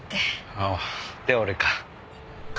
ああで俺か。